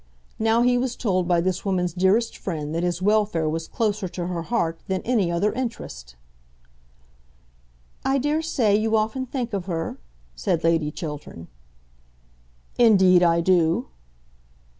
Now he was told by this woman's dearest friend that his welfare was closer to her heart than any other interest! "I daresay you often think of her?" said Lady Chiltern. "Indeed, I do."